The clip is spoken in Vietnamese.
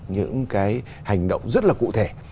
những cái hành động rất là cụ thể